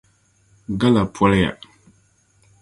Gala poliya.